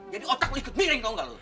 jadi otak lu ikut miring tau nggak lu